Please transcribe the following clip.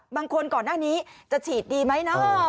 ก่อนหน้านี้จะฉีดดีไหมเนาะ